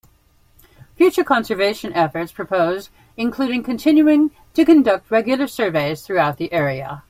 Future conservation efforts proposed include continuing to conduct regular surveys throughout the area.